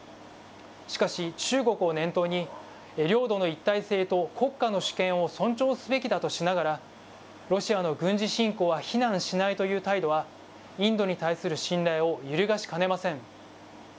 しかし中国を念頭に、領土の一体性と国家の主権を尊重すべきだとしながら、ロシアの軍事侵攻は非難しないという態度はインドに対する信頼を揺るがしかねません。